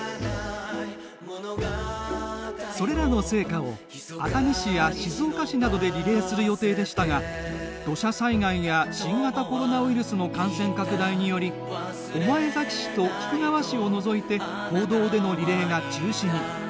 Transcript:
それらの聖火を熱海市や静岡市などでリレーする予定でしたが土砂災害や新型コロナウイルスの感染拡大により御前崎市と菊川市を除いて公道でのリレーが中止に。